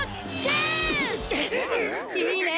いいね！